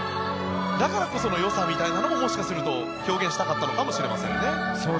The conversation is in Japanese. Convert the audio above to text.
だからこそのよさみたいなものももしかすると表現したかったのかもしれませんね。